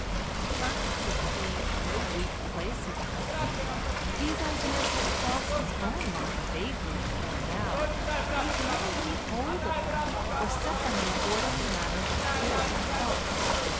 Ernest could see no weak place in this. These ideas had crossed his own mind vaguely before now, but he had never laid hold of them or set them in an orderly manner before himself.